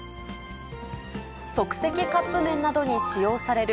即席カップ麺などに使用される